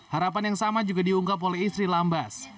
harapan yang sama juga diungkap oleh istri lambas